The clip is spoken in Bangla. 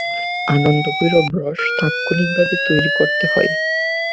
আনন্দভৈরব রস তাৎক্ষণিকভাবে তৈরি করতে হয়।